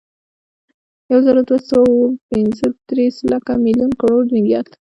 یوزرودوهسوه اوپنځهدېرس، لک، ملیون، کروړ، ملیارد